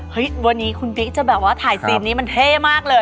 เฮ้ยวันนี้คุณบิ๊กจะแบบว่าถ่ายซีนนี้มันเท่มากเลย